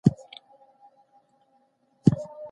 . په جرګه کي هیڅکله په یوه لوري ظلم نه کيږي.